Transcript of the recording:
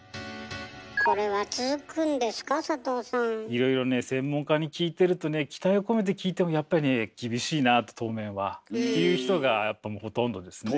いろいろね専門家に聞いてるとね期待を込めて聞いてもやっぱりね厳しいなと当面は。という人がやっぱほとんどですね。